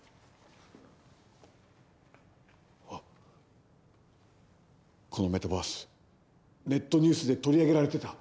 うわっこのメタバースネットニュースで取り上げられてた。